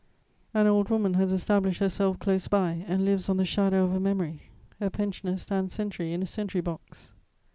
An old woman has established herself close by, and lives on the shadow of a memory; a pensioner stands sentry in a sentry box.